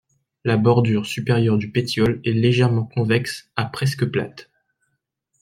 La bordure supérieure du pétiole est légèrement convexe à presque plate.